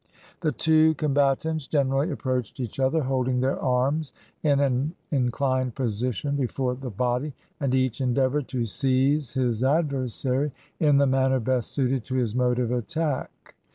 The two combatants generally approached each other, holding their arms in an inclined position before the body; and each endeavored to seize his adversary in the manner best suited to his mode of attack.